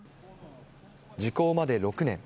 時効まで６年。